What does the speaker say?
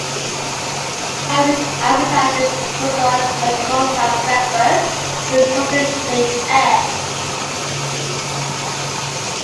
Harvey's advertises its product as a homestyle breakfast with custom-made eggs.